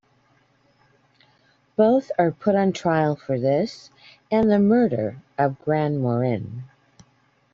Both are put on trial for this and the murder of Grandmorin.